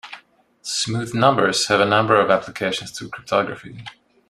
Smooth numbers have a number of applications to cryptography.